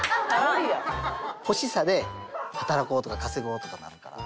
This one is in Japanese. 欲しさで「働こう」とか「稼ごう」とかなるから。